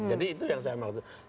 jadi itu yang saya maksud